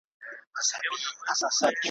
د طلا به دوه خورجینه درکړم تاته `